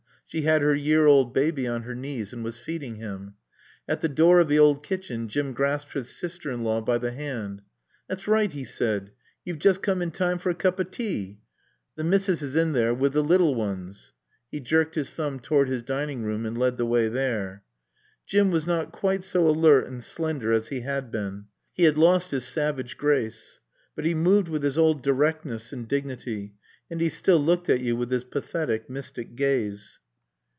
She had her year old baby on her knees and was feeding him. At the door of the old kitchen Jim grasped his sister in law by the hand. "Thot's right," he said. "Yo've joost coom in time for a cup o' tae. T' misses is in there wi' t' lil uns." He jerked his thumb toward his dining room and led the way there. Jim was not quite so alert and slender as he had been. He had lost his savage grace. But he moved with his old directness and dignity, and he still looked at you with his pathetic, mystic gaze.